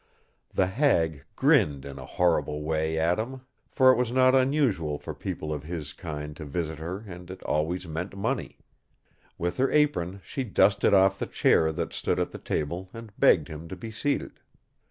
The hag grinned in a horrible way at him, for it was not unusual for people of his kind to visit her and it always meant money. With her apron she dusted off the chair that stood at the table and begged him to be seated.